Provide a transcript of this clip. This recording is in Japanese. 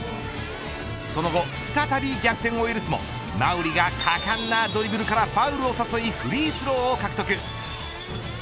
その後再び逆転を許すも馬瓜が果敢なドリブルからファウルを誘いフリースローを獲得。